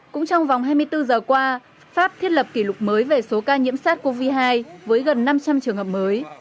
cũng trong vòng hai mươi bốn giờ qua pháp thiết lập kỷ lục mới về số ca nhiễm sars cov hai với gần năm trăm linh trường hợp mới